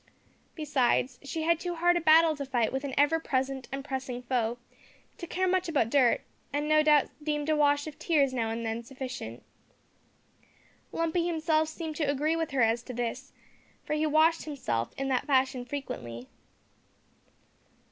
Besides, she had too hard a battle to fight with an ever present and pressing foe, to care much about dirt, and no doubt deemed a wash of tears now and then sufficient. Lumpy himself seemed to agree with her as to this, for he washed himself in that fashion frequently.